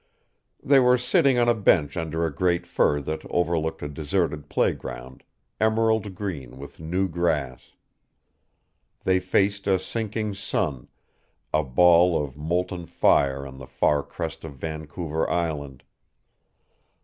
They were sitting on a bench under a great fir that overlooked a deserted playground, emerald green with new grass. They faced a sinking sun, a ball of molten fire on the far crest of Vancouver Island.